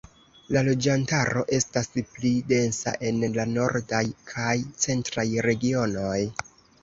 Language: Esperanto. La loĝantaro estas pli densa en la nordaj kaj centraj regionoj.